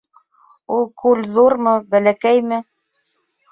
Ул күл ҙурмы, бәләкәйме?